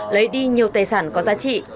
lấy đi nhiều tài sản có giá trị